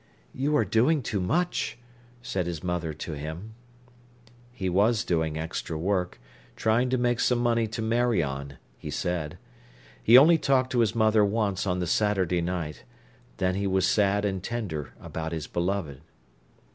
"You are doing too much," said his mother to him. He was doing extra work, trying to make some money to marry on, he said. He only talked to his mother once on the Saturday night; then he was sad and tender about his beloved.